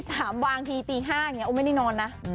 ถ้าตี๓วางทีตี๕อาแม่นี่นอนนะ